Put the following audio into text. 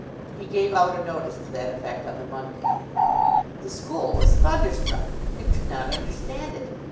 He gave out a notice to that effect on the Monday. The school was thunderstruck. It could not understand it.